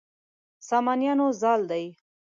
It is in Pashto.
سامانیانو زال دی.